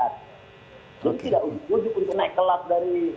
lalu tidak usus untuk naik gelap dari